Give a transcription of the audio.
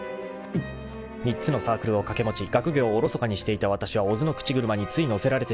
［３つのサークルを掛け持ち学業をおろそかにしていたわたしは小津の口車につい乗せられてしまった］